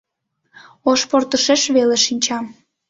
Ош портышеш веле шинчам.